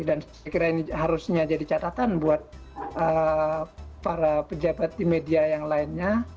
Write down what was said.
dan kira ini harusnya jadi catatan buat para pejabat di media yang lainnya